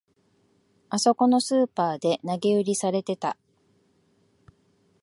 あそこのスーパーで投げ売りされてた